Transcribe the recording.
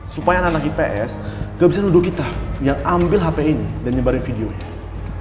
supaya anak anak ips gak bisa nuduh kita yang ambil hp ini dan nyebarin video ini